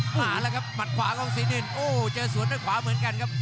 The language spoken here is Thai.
มาแล้วครับหมัดขวาของสีเด่นโอ้เจอสวนด้วยขวาเหมือนกันครับ